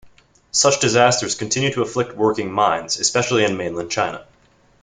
Such disasters continue to afflict working mines, especially in mainland China.